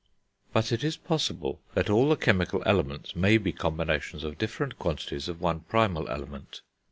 But it is possible that all the chemical elements may be combinations of different quantities of one primal element.